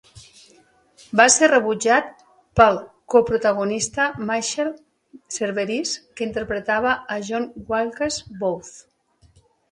Va ser rebutjat pel coprotagonista Michael Cerveris, que interpretava a John Wilkes Booth.